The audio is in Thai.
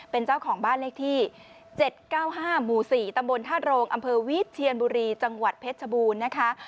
เป็นเจ้าของบ้านเลขที่๗๙๕หมู่๔ตำบลธาตุโรงอำเภอวิทเทียนบุรีจังหวัดเพชรชบูรณ์นะคะ